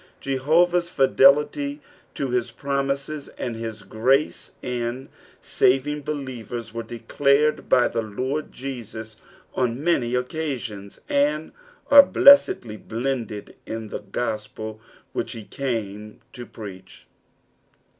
Jehovah's fldelitv to his promises and his grace in saving believers were declared b; the Lord Jesus on many occasionii, and are blessedly blended in the gospel which he came to preach.